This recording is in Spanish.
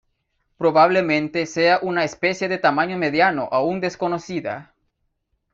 Probablemente sea una especie de tamaño mediano aún desconocida.